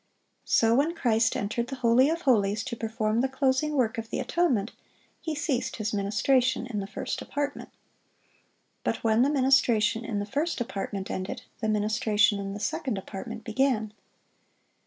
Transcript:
(712) So when Christ entered the holy of holies to perform the closing work of the atonement, He ceased His ministration in the first apartment. But when the ministration in the first apartment ended, the ministration in the second apartment began.